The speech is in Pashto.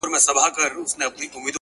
نوره گډا مه كوه مړ به مي كړې